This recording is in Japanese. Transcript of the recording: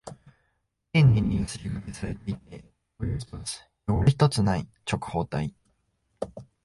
丁寧にヤスリ掛けされていて、トゲ一つ、汚れ一つない直方体。